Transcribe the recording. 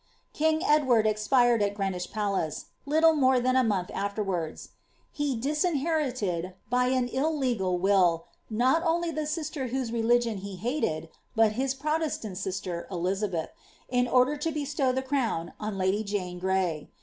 King Edward expired at Greenwich Palace, little more ihao a ipcsA afterwards. He disinherited, by an ill^cal will^ not only the sistor whess fidigion he hated, but his Prptastani sister^ Eliaheth, ia order to besiov tjbe crown, on lady Jane Gray.